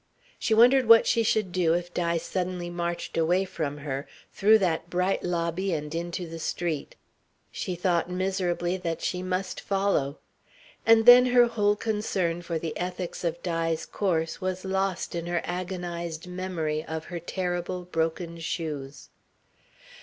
She wondered what she should do if Di suddenly marched away from her, through that bright lobby and into the street. She thought miserably that she must follow. And then her whole concern for the ethics of Di's course was lost in her agonised memory of her terrible, broken shoes.